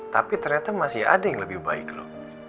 tapi ternyata masih ada yang lebih baik loh